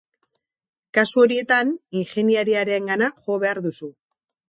Kasu horietan ingeniariarengana jo behar duzu.